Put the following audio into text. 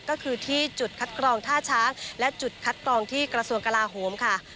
ก็คือที่จุดคัดกรองท่าช้างและจุดคัดกรองที่กระทรวงกลาโหมค่ะ